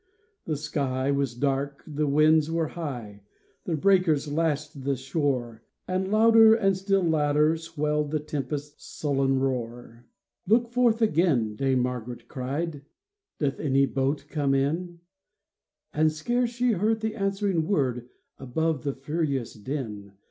The sky was dark, the winds were high, The breakers lashed the shore, And louder and still louder swelled The tempest's sullen roar. " Look forth again," Dame Margaret cried ;'^ Doth any boat come in ?" And scarce she heard the answering word Above the furious din.